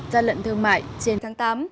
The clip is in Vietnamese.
gia lận thương mại trên tháng tám